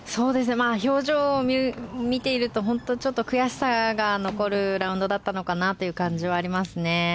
表情を見ていると本当ちょっと悔しさが残るラウンドだったのかなという感じはありますね。